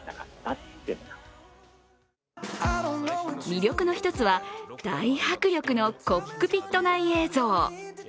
魅力の一つは、大迫力のコックピット内映像。